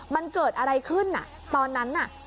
มันเกิดอะไรขึ้นตอนนั้นน่ะ